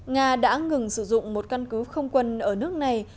nga đã ngừng sử dụng một căn cứ không quân ở nước này